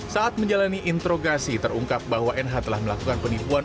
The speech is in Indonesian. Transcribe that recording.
saat menjalani introgasi terungkap bahwa nh telah melakukan penipuan